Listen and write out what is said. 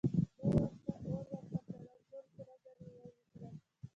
بیا یې ورته اور ورته کړ او ټول سره زر یې ویلې کړل.